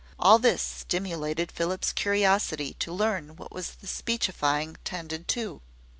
All this stimulated Philip's curiosity to learn what the speechifying tended to.